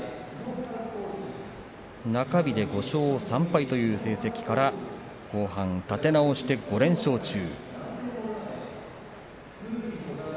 中日で５勝３敗という成績から後半立て直して５連勝中。